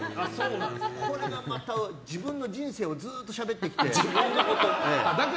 これがまた自分の人生をずっとしゃべってきて。